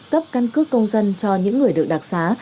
cấp căn cước công dân cho những người được đặc xá